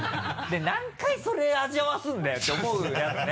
何回それ味わわすんだよって思うやつね。